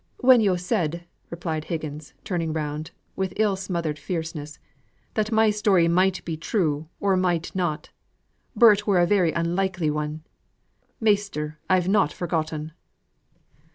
"When yo' said," replied Higgins, turning round, with ill smothered fierceness, "that my story might be true or might not, but it were a very unlikely one. Measter, I've not forgotten."